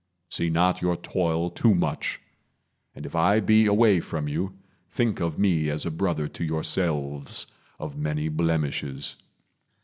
See not your toil Too much, and if I be away from you, Think of me as a brother to yourselves, Of many blemishes.